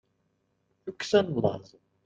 tukksa n laẓ